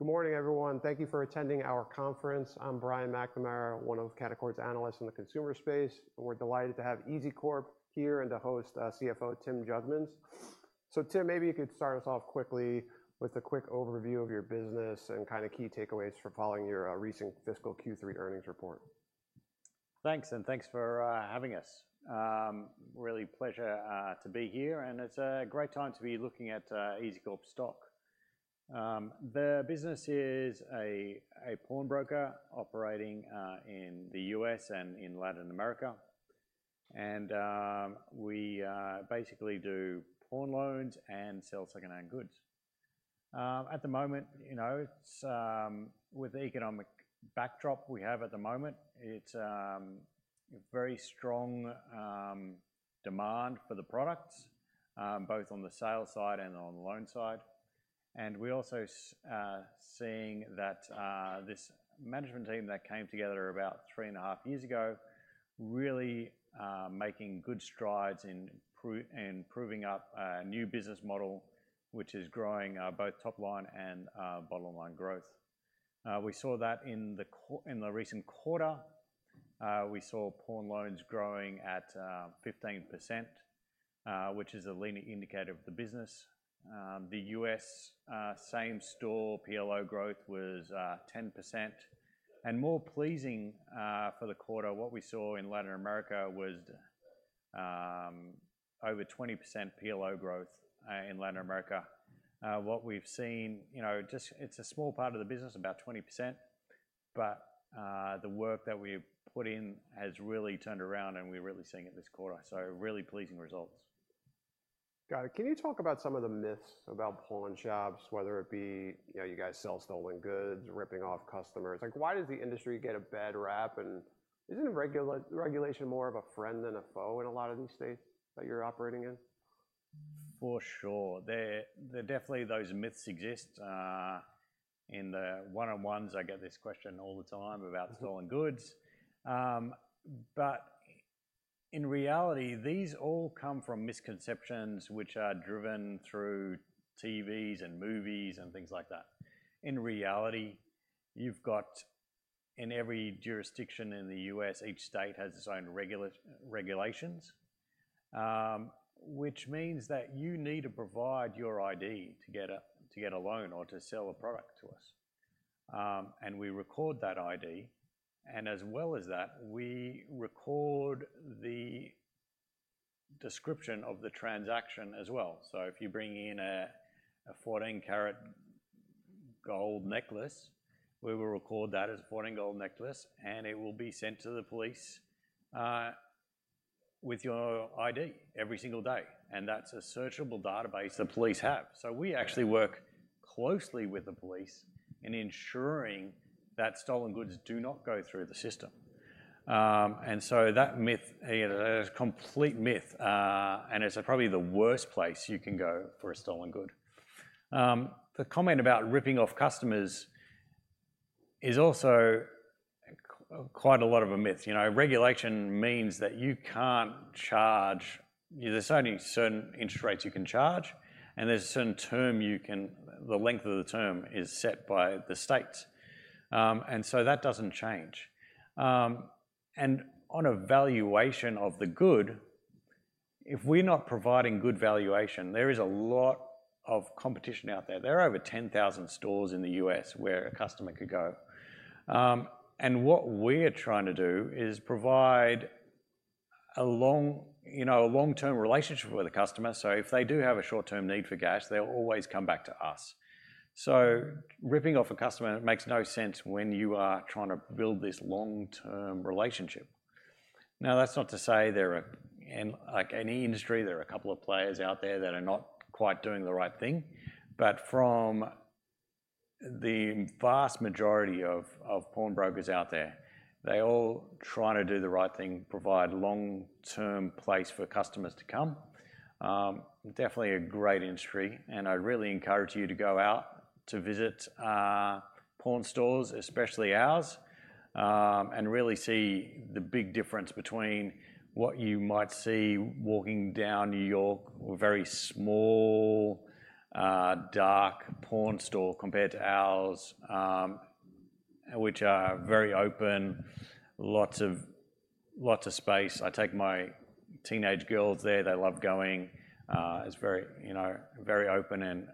Good morning, everyone. Thank you for attending our conference. I'm Brian McNamara, one of Canaccord's analysts in the consumer space, and we're delighted to have EZCORP here and to host, CFO Tim Jugmans. So Tim, maybe you could start us off quickly with a quick overview of your business and kind of key takeaways for following your, recent fiscal Q3 earnings report. Thanks, and thanks for having us. Really pleasure to be here, and it's a great time to be looking at EZCORP's stock. The business is a pawnbroker operating in the US and in Latin America, and we basically do pawn loans and sell secondhand goods. At the moment, you know, it's with the economic backdrop we have at the moment, it's a very strong demand for the products both on the sales side and on the loan side. And we're also seeing that this management team that came together about three and a half years ago really making good strides in proving up a new business model, which is growing both top line and bottom line growth. We saw that in the recent quarter. We saw pawn loans growing at 15%, which is a leading indicator of the business. The U.S. same store PLO growth was 10%. And more pleasing for the quarter, what we saw in Latin America was over 20% PLO growth in Latin America. What we've seen, you know, it's a small part of the business, about 20%, but the work that we've put in has really turned around, and we're really seeing it this quarter, so really pleasing results. Got it. Can you talk about some of the myths about pawn shops, whether it be, you know, you guys sell stolen goods, ripping off customers? Like, why does the industry get a bad rap, and isn't regulation more of a friend than a foe in a lot of these states that you're operating in? For sure. There definitely those myths exist. In the one-on-ones, I get this question all the time about stolen goods. But in reality, these all come from misconceptions which are driven through TVs and movies and things like that. In reality, you've got, in every jurisdiction in the U.S., each state has its own regulations, which means that you need to provide your I.D. to get a loan or to sell a product to us. And we record that I.D., and as well as that, we record the description of the transaction as well. So if you bring in a 14-karat gold necklace, we will record that as a 14 gold necklace, and it will be sent to the police with your I.D. every single day, and that's a searchable database the police have. So we actually work closely with the police in ensuring that stolen goods do not go through the system. And so that myth, complete myth, and it's probably the worst place you can go for a stolen good. The comment about ripping off customers is also quite a lot of a myth. You know, regulation means that you can't charge... There's only certain interest rates you can charge, and there's a certain term you can, the length of the term is set by the state, and so that doesn't change. And on a valuation of the good, if we're not providing good valuation, there is a lot of competition out there. There are over 10,000 stores in the U.S. where a customer could go. And what we're trying to do is provide a long, you know, a long-term relationship with the customer. So if they do have a short-term need for cash, they'll always come back to us. So ripping off a customer makes no sense when you are trying to build this long-term relationship. Now, that's not to say there are, like any industry, there are a couple of players out there that are not quite doing the right thing, but from the vast majority of pawnbrokers out there, they're all trying to do the right thing, provide long-term place for customers to come. Definitely a great industry, and I really encourage you to go out to visit pawn stores, especially ours, and really see the big difference between what you might see walking down New York, a very small, dark pawn store compared to ours, which are very open, lots of, lots of space. I take my teenage girls there. They love going. It's very, you know, very open and,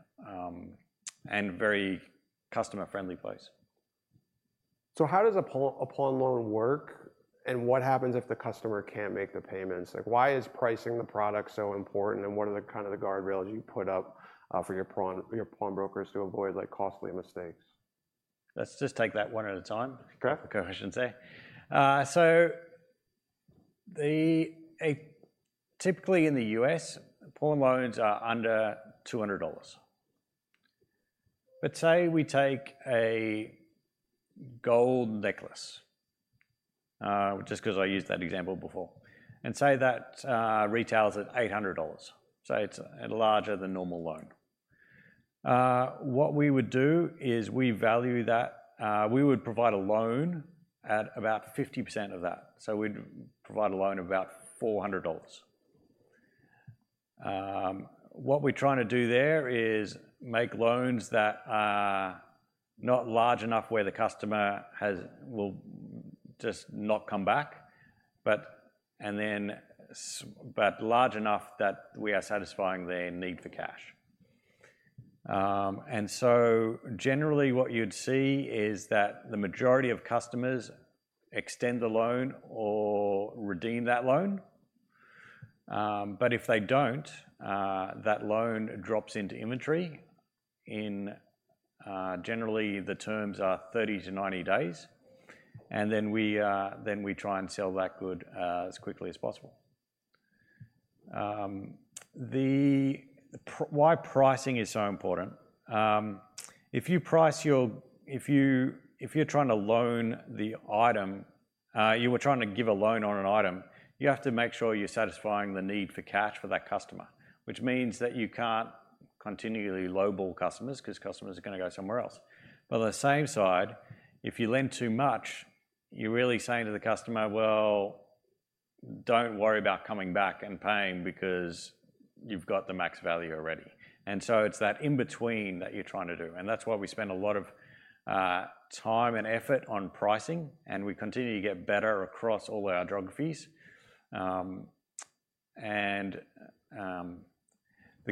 and very customer-friendly place. So how does a pawn loan work, and what happens if the customer can't make the payments? Like, why is pricing the product so important, and what are the kind of guardrails you put up for your pawnbrokers to avoid, like, costly mistakes? Let's just take that one at a time- Okay I should say. So typically in the US, pawn loans are under $200. But say we take a gold necklace, just 'cause I used that example before, and say that retails at $800. So it's a larger than normal loan. What we would do is we value that, we would provide a loan at about 50% of that, so we'd provide a loan of about $400. What we're trying to do there is make loans that are not large enough where the customer has will just not come back, but large enough that we are satisfying their need for cash. And so generally, what you'd see is that the majority of customers extend the loan or redeem that loan. But if they don't, that loan drops into inventory, generally, the terms are 30-90 days. And then we, then we try and sell that good, as quickly as possible. Why pricing is so important? If you, if you're trying to loan the item, you are trying to give a loan on an item, you have to make sure you're satisfying the need for cash for that customer, which means that you can't continually lowball customers 'cause customers are gonna go somewhere else. But on the same side, if you lend too much, you're really saying to the customer, "Well, don't worry about coming back and paying because you've got the max value already." And so it's that in-between that you're trying to do, and that's why we spend a lot of time and effort on pricing, and we continue to get better across all our geographies.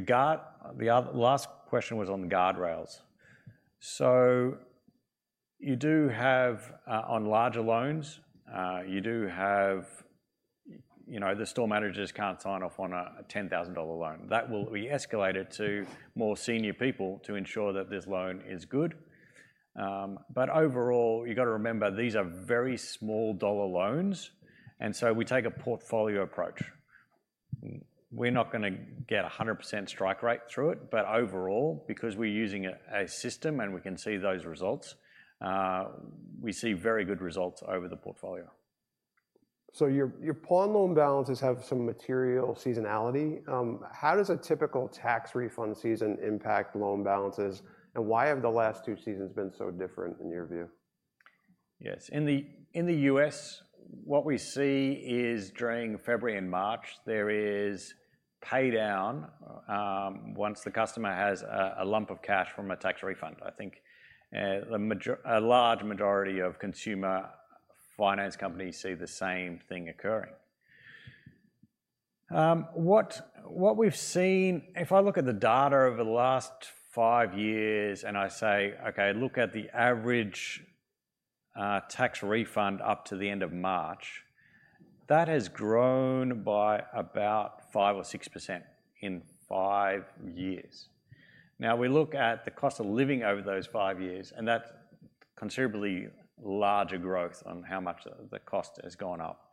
The other, last question was on the guardrails. So, you do have, on larger loans, you do have, you know, the store managers can't sign off on a $10,000 loan. That will be escalated to more senior people to ensure that this loan is good. But overall, you've got to remember, these are very small dollar loans, and so we take a portfolio approach. We're not gonna get 100% strike rate through it, but overall, because we're using a system and we can see those results, we see very good results over the portfolio. Your pawn loan balances have some material seasonality. How does a typical tax refund season impact loan balances, and why have the last two seasons been so different in your view? Yes. In the US, what we see is during February and March, there is pay down once the customer has a lump of cash from a tax refund. I think a large majority of consumer finance companies see the same thing occurring. What we've seen, if I look at the data over the last five years, and I say, "Okay, look at the average tax refund up to the end of March," that has grown by about 5% or 6% in five years. Now, we look at the cost of living over those five years, and that's considerably larger growth on how much the cost has gone up.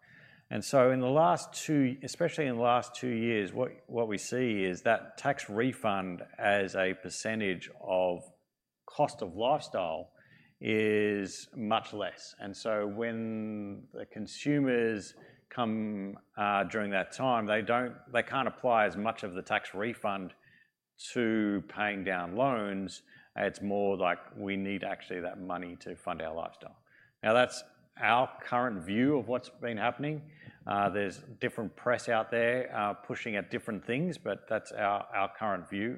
And so in the last two, especially in the last two years, what we see is that tax refund as a percentage of cost of lifestyle is much less. When the consumers come during that time, they can't apply as much of the tax refund to paying down loans. It's more like we need actually that money to fund our lifestyle. Now, that's our current view of what's been happening. There's different press out there pushing at different things, but that's our current view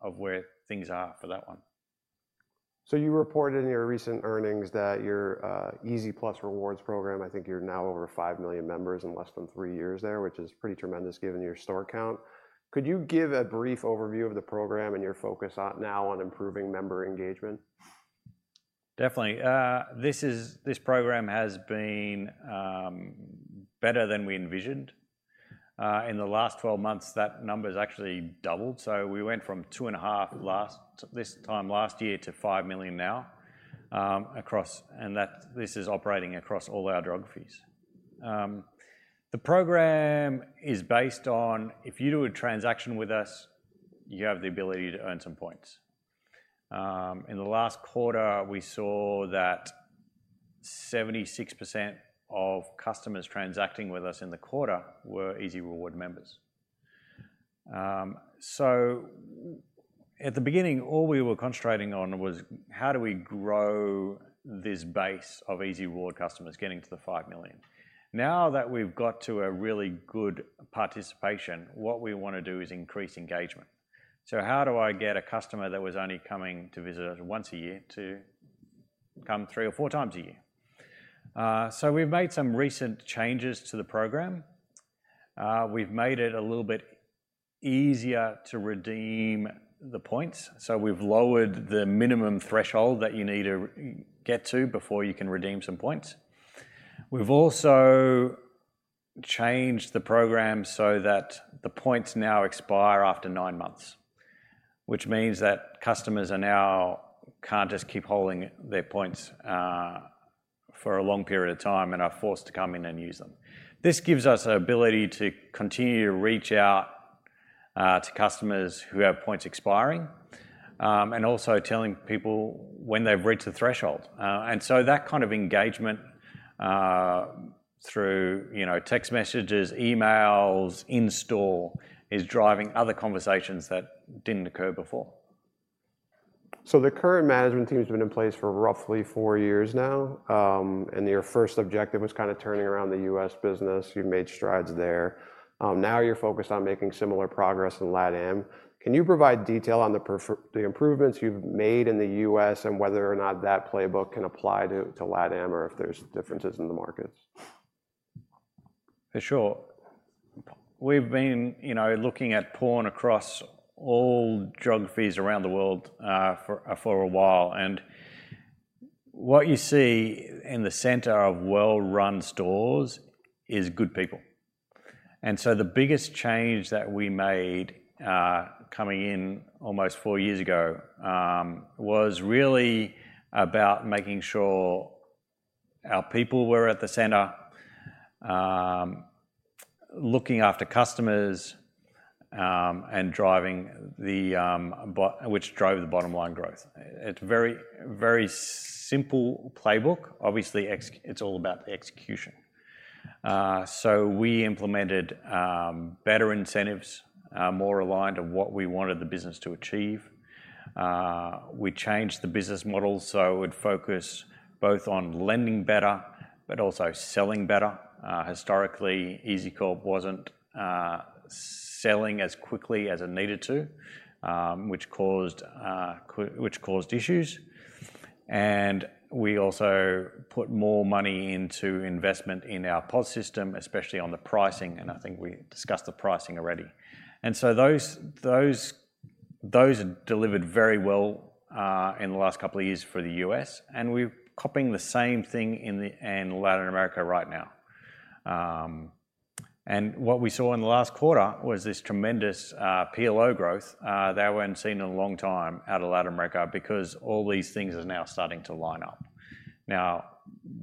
of where things are for that one. So you reported in your recent earnings that your EZ+ Rewards program, I think you're now over 5 million members in less than three years there, which is pretty tremendous given your store count. Could you give a brief overview of the program and your focus on now on improving member engagement? Definitely. This program has been better than we envisioned. In the last 12 months, that number has actually doubled. So we went from 2.5 last, this time last year, to 5 million now, across all our geographies. The program is based on if you do a transaction with us, you have the ability to earn some points. In the last quarter, we saw that 76% of customers transacting with us in the quarter were EZ+ Rewards members. So at the beginning, all we were concentrating on was: how do we grow this base of EZ+ Rewards customers getting to the 5 million? Now, that we've got to a really good participation, what we want to do is increase engagement. So how do I get a customer that was only coming to visit once a year to come three or four times a year? So we've made some recent changes to the program. We've made it a little bit easier to redeem the points, so we've lowered the minimum threshold that you need to get to before you can redeem some points. We've also changed the program so that the points now expire after nine months, which means that customers are now can't just keep holding their points for a long period of time and are forced to come in and use them. This gives us the ability to continue to reach out to customers who have points expiring and also telling people when they've reached the threshold. And so that kind of engagement, through, you know, text messages, emails, in-store, is driving other conversations that didn't occur before. So the current management team has been in place for roughly four years now. Your first objective was kind of turning around the US business. You've made strides there. Now you're focused on making similar progress in LatAm. Can you provide detail on the improvements you've made in the US, and whether or not that playbook can apply to LatAm, or if there's differences in the markets? For sure. We've been, you know, looking at pawn across all geographies around the world, for a while. And what you see in the center of well-run stores is good people. And so the biggest change that we made, coming in almost four years ago, was really about making sure our people were at the center. Looking after customers, and driving the bottom line, which drove the bottom line growth. It's very, very simple playbook. Obviously, it's all about the execution. So we implemented better incentives, more aligned to what we wanted the business to achieve. We changed the business model, so it would focus both on lending better, but also selling better. Historically, EZCORP wasn't selling as quickly as it needed to, which caused issues. We also put more money into investment in our POS system, especially on the pricing, and I think we discussed the pricing already. So those delivered very well in the last couple of years for the US, and we're copying the same thing in Latin America right now. And what we saw in the last quarter was this tremendous PLO growth that we hadn't seen in a long time out of Latin America because all these things are now starting to line up. Now,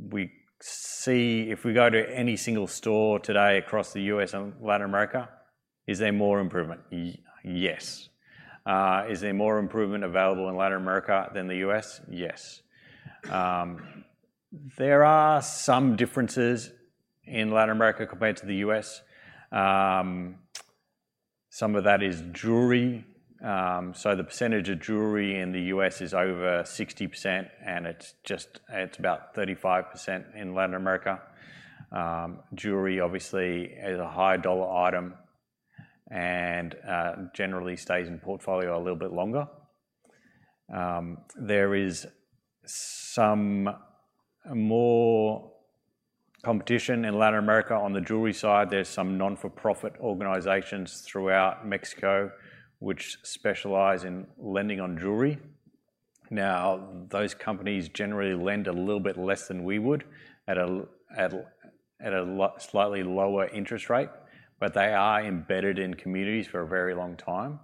we see... If we go to any single store today across the US and Latin America, is there more improvement? Yes. Is there more improvement available in Latin America than the US? Yes. There are some differences in Latin America compared to the US. Some of that is jewelry. So the percentage of jewelry in the US is over 60%, and it's just, it's about 35% in Latin America. Jewelry obviously is a high-dollar item and generally stays in portfolio a little bit longer. There is some more competition in Latin America on the jewelry side. There's some nonprofit organizations throughout Mexico, which specialize in lending on jewelry. Now, those companies generally lend a little bit less than we would at a slightly lower interest rate, but they are embedded in communities for a very long time.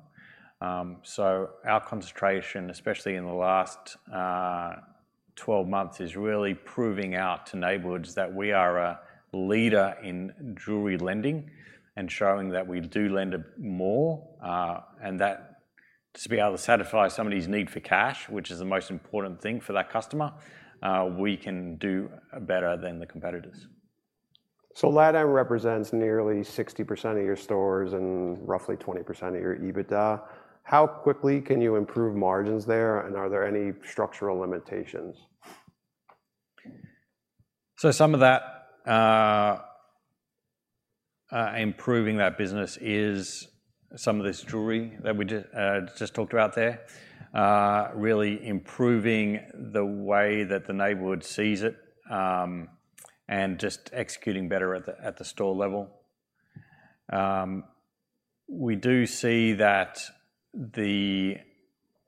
So our concentration, especially in the last 12 months, is really proving out to neighborhoods that we are a leader in jewelry lending and showing that we do lend more. And that to be able to satisfy somebody's need for cash, which is the most important thing for that customer, we can do better than the competitors. LatAm represents nearly 60% of your stores and roughly 20% of your EBITDA. How quickly can you improve margins there, and are there any structural limitations? So some of that, improving that business is some of this jewelry that we just talked about there. Really improving the way that the neighborhood sees it, and just executing better at the store level. We do see that the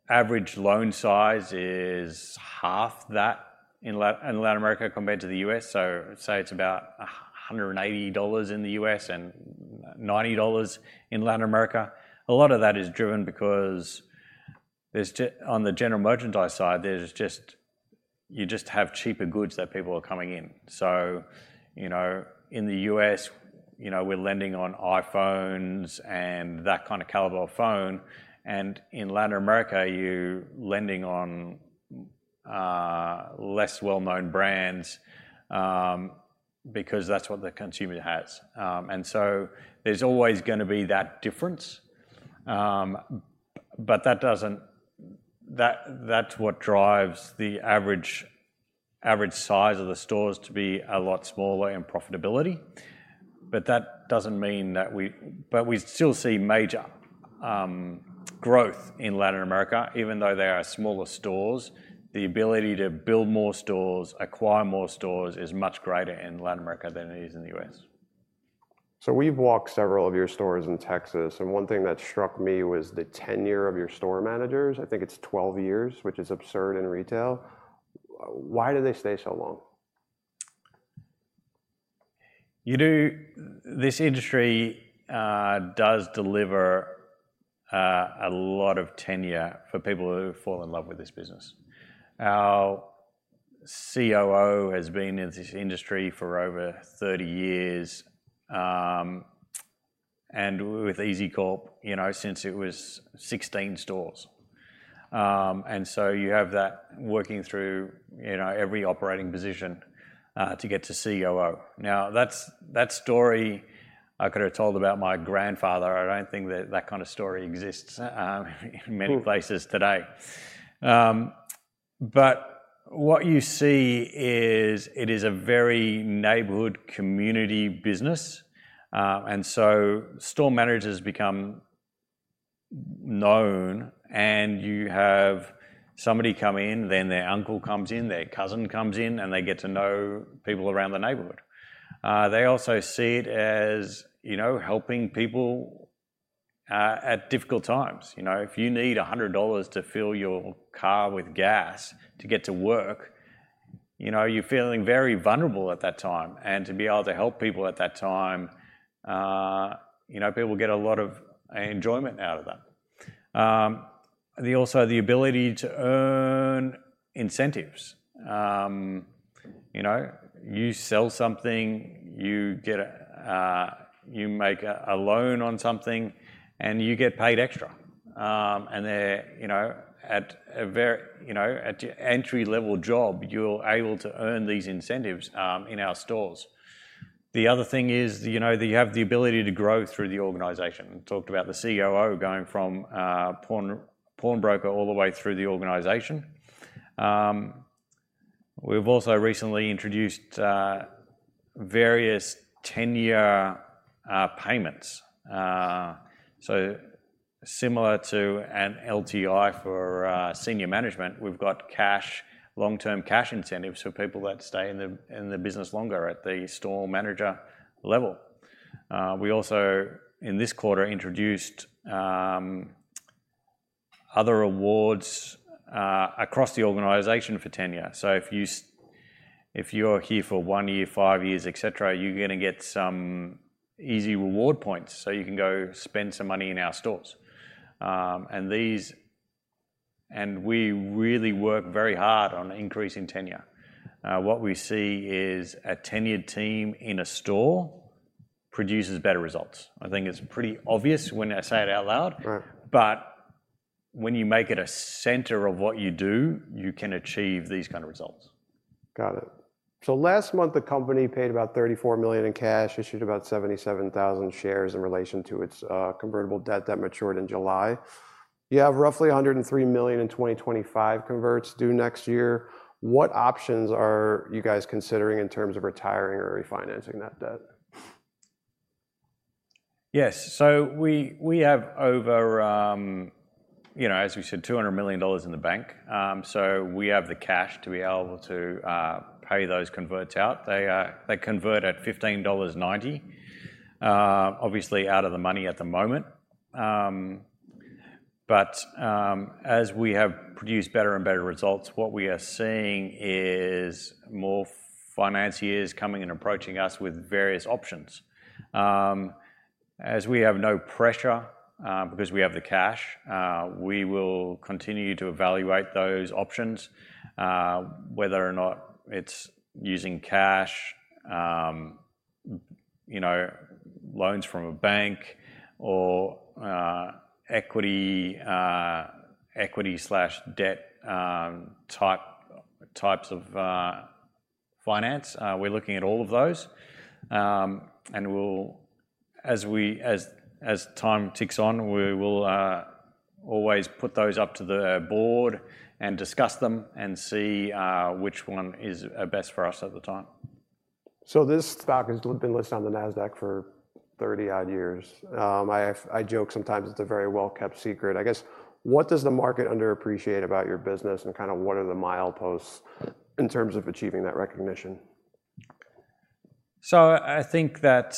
average loan size is half that in Latin America compared to the U.S. So say it's about $180 in the U.S. and $90 in Latin America. A lot of that is driven because on the general merchandise side, there's just you just have cheaper goods that people are coming in. So, you know, in the U.S., you know, we're lending on iPhones and that kind of caliber of phone, and in Latin America, you're lending on, less well-known brands, because that's what the consumer has. And so there's always gonna be that difference. But that doesn't, that's what drives the average, average size of the stores to be a lot smaller in profitability. But that doesn't mean that we. But we still see major growth in Latin America, even though they are smaller stores. The ability to build more stores, acquire more stores, is much greater in Latin America than it is in the U.S. We've walked several of your stores in Texas, and one thing that struck me was the tenure of your store managers. I think it's 12 years, which is absurd in retail. Why do they stay so long? This industry does deliver a lot of tenure for people who fall in love with this business. Our COO has been in this industry for over 30 years, and with EZCORP, you know, since it was 16 stores. And so you have that working through, you know, every operating position to get to COO. Now, that's that story I could have told about my grandfather. I don't think that that kind of story exists in many places today. But what you see is, it is a very neighborhood community business. And so store managers become known, and you have somebody come in, then their uncle comes in, their cousin comes in, and they get to know people around the neighborhood. They also see it as, you know, helping people at difficult times. You know, if you need $100 to fill your car with gas to get to work, you know, you're feeling very vulnerable at that time. And to be able to help people at that time, you know, people get a lot of enjoyment out of that. Also the ability to earn incentives. You know, you sell something, you get a, you make a loan on something, and you get paid extra. And they're, you know, at a very entry-level job, you're able to earn these incentives in our stores. The other thing is, you know, that you have the ability to grow through the organization. We talked about the COO going from pawnbroker all the way through the organization. We've also recently introduced various tenure payments. So similar to an LTI for senior management, we've got cash, long-term cash incentives for people that stay in the, in the business longer at the store manager level. We also, in this quarter, introduced other awards across the organization for tenure. So if you're here for one year, five years, et cetera, you're gonna get some EZ reward points, so you can go spend some money in our stores. And these... And we really work very hard on increasing tenure. What we see is a tenured team in a store produces better results. I think it's pretty obvious when I say it out loud. Right. When you make it a center of what you do, you can achieve these kind of results. Got it. So last month, the company paid about $34 million in cash, issued about 77,000 shares in relation to its convertible debt that matured in July. You have roughly $103 million in 2025 converts due next year. What options are you guys considering in terms of retiring or refinancing that debt? Yes. So we have over, you know, as we said, $200 million in the bank. So we have the cash to be able to pay those converts out. They convert at $15.90. Obviously, out of the money at the moment. But as we have produced better and better results, what we are seeing is more financiers coming and approaching us with various options. As we have no pressure, because we have the cash, we will continue to evaluate those options, whether or not it's using cash, you know, loans from a bank, or equity, equity/debt, type, types of finance. We're looking at all of those. And we'll, as time ticks on, we will always put those up to the board and discuss them and see which one is best for us at the time. So this stock has been listed on the Nasdaq for 30-odd years. I joke sometimes it's a very well-kept secret. I guess, what does the market underappreciate about your business, and kinda what are the mileposts in terms of achieving that recognition? So I think that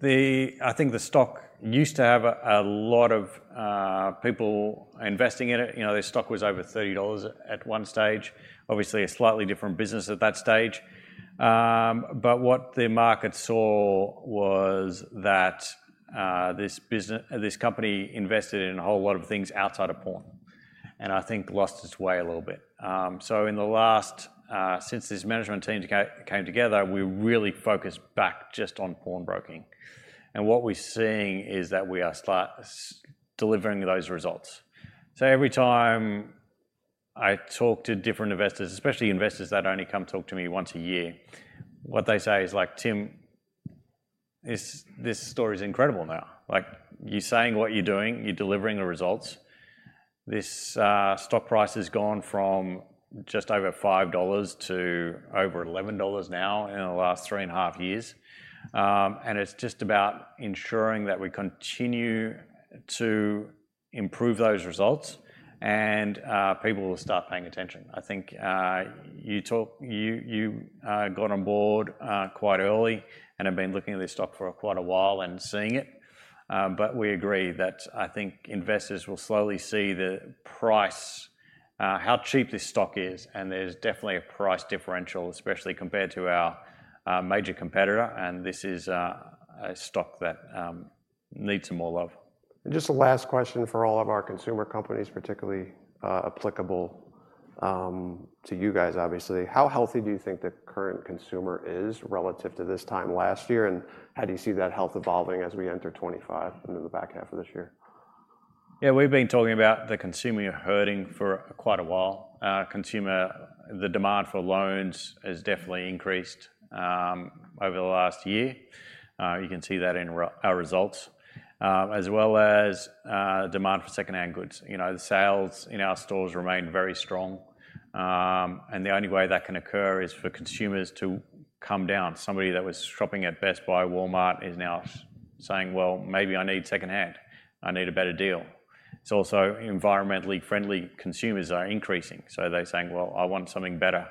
the stock used to have a lot of people investing in it. You know, their stock was over $30 at one stage. Obviously, a slightly different business at that stage. But what the market saw was that this company invested in a whole lot of things outside of pawn, and I think lost its way a little bit. So in the last since this management team came together, we really focused back just on pawnbroking, and what we're seeing is that we are starting to deliver those results. So every time I talk to different investors, especially investors that only come talk to me once a year, what they say is, like, "Tim, this, this story's incredible now." Like, "You're saying what you're doing, you're delivering the results." This stock price has gone from just over $5 to over $11 now in the last 3.5 years. It's just about ensuring that we continue to improve those results, and people will start paying attention. I think you got on board quite early and have been looking at this stock for quite a while and seeing it. We agree that I think investors will slowly see the price, how cheap this stock is, and there's definitely a price differential, especially compared to our major competitor, and this is a stock that needs some more love. Just a last question for all of our consumer companies, particularly applicable to you guys, obviously. How healthy do you think the current consumer is relative to this time last year, and how do you see that health evolving as we enter 2025 and in the back half of this year? Yeah, we've been talking about the consumer hurting for quite a while. Consumer, the demand for loans has definitely increased over the last year. You can see that in our results, as well as demand for second-hand goods. You know, the sales in our stores remain very strong. And the only way that can occur is for consumers to come down. Somebody that was shopping at Best Buy, Walmart, is now saying, "Well, maybe I need second-hand. I need a better deal." It's also environmentally friendly consumers are increasing, so they're saying, "Well, I want something better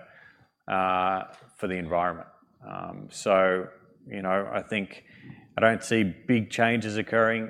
for the environment." So, you know, I think I don't see big changes occurring.